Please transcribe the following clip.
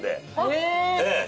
へえ。